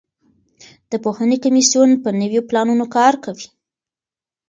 د پوهنې کمیسیون په نویو پلانونو کار کوي.